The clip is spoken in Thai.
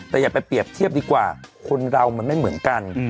แต่อย่าไปเปรียบเทียบดีกว่าคนเรามันไม่เหมือนกัน